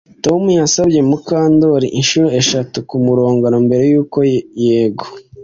Tom yasabye Mukandoli inshuro eshatu kumurongora mbere yuko yego